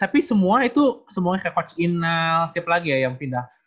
tapi semua itu semuanya kayak coach inal siapa lagi ya yang pindah